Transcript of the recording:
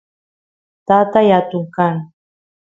tatay atun kan